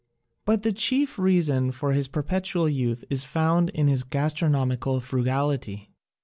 But the chief reason for his perpetual youth is found in his gastronomical frugal ity.